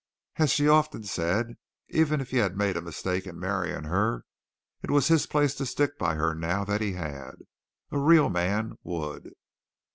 As she often said, even if he had made a mistake in marrying her, it was his place to stick by her now that he had. A real man would.